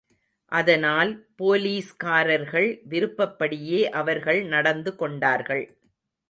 அதனால் போலீஸ்காரர்கள் விருப்பப்படியே அவர்கள் நடந்துகொண்டார்கள்.